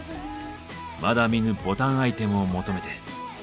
まだ見ぬボタンアイテムを求めて。